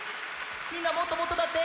みんなもっともっとだって！